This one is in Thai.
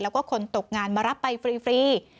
แล้วก็คนตกงานมารับไปฟรี